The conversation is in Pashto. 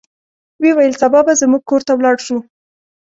ویې ویل سبا به زموږ کور ته ولاړ شو.